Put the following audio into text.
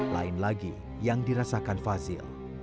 lain lagi yang dirasakan fazil